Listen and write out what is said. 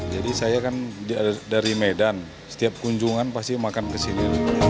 jadi saya kan dari medan setiap kunjungan pasti makan kesini